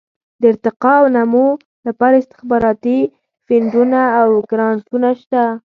د ارتقاء او نمو لپاره استخباراتي فنډونه او ګرانټونه شته.